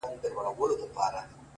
• د خان کورته یې راوړې کربلا وه ,